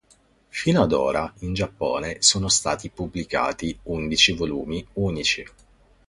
Fino ad ora, in Giappone sono stati pubblicati undici volumi unici.